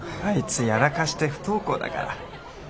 あいつやらかして不登校だから。